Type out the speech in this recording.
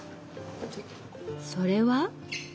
それは？